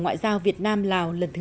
ngoại giao việt nam lào lần thứ năm